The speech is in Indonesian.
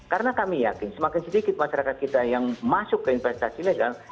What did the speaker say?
karena kami yakin semakin sedikit masyarakat kita yang masuk ke investasi legal